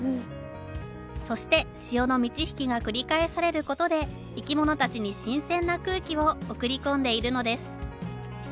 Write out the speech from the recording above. そして潮の満ち引きが繰り返されることで生き物たちに新鮮な空気を送り込んでいるのです。